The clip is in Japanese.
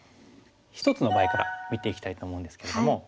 １つの場合から見ていきたいと思うんですけれども。